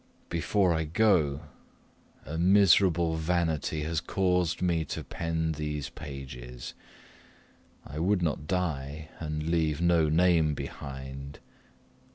Before I go, a miserable vanity has caused me to pen these pages. I would not die, and leave no name behind.